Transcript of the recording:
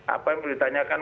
apa yang ditanyakan